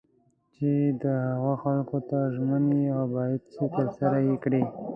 چې د هغه کولو ته ژمن یې او باید چې ترسره یې کړې.